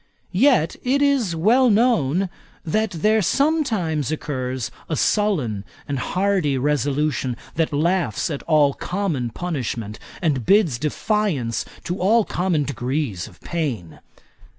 Yet, it is well known, that there sometimes occurs a sullen and hardy resolution, that laughs at all common punishment, and bids defiance to all common degrees of pain.